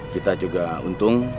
kita juga untung